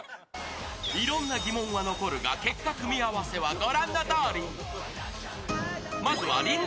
いろんな疑問は残るが結果、組み合わせはご覧のとおり。